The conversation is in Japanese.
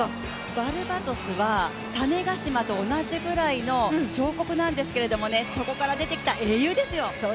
バルバドスは種子島と同じくらいの小国なんですけれども、そこから出てきた英雄ですよ。